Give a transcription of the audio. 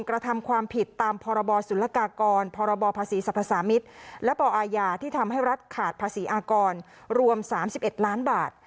กระทำความผิดตามพศพศและปอที่ทำให้รัฐขาดภาษีอากรรวมสามสิบเอ็ดล้านบาท